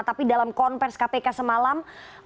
tapi dalam konvers kpk semalam